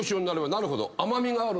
なるほどね。